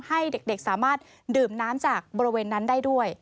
ให้เด็กสามารถดื่มน้ำจากบริเวณนั้นได้ด้วย